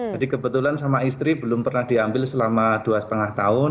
jadi kebetulan sama istri belum pernah diambil selama dua lima tahun